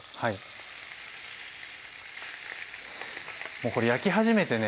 もうこれ焼き始めてね